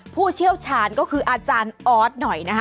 ผู้เชี่ยวชาญก็คืออาจารย์ออสหน่อยนะคะ